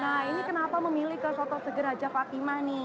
nah ini kenapa memilih ke soto segeraja fatima nih